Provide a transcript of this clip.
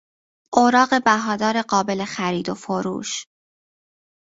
اوراق بهادار قابل خرید و فروش